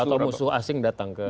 atau musuh asing datang ke